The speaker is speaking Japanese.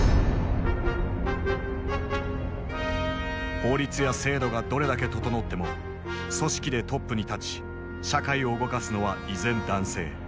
法律や制度がどれだけ整っても組織でトップに立ち社会を動かすのは依然男性。